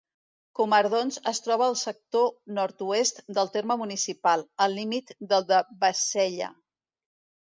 Comardons es troba al sector nord-oest del terme municipal, al límit del de Bassella.